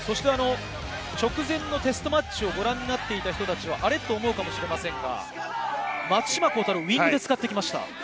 直前のテストマッチをご覧になっていた人たちはあれ？と思うかもしれませんが、松島幸太朗をウイングで使ってきました。